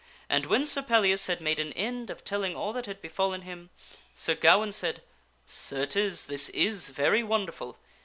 And when Sir Pellias had made an end of telling all that had befallen him, Sir Gawaine said, " Certes, this is very wonderful.